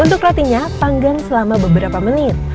untuk rotinya panggang selama beberapa menit